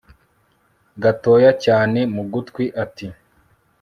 gatoya cyane mugutwi ati